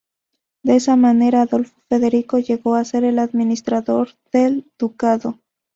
De esa manera, Adolfo Federico llegó a ser el administrador del ducado.